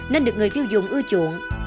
nên được người tiêu dùng ưa chuộng